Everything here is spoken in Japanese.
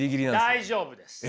大丈夫です。